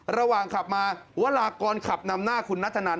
ระหว่างขับมาวรากรขับนำหน้าคุณนัทธนัน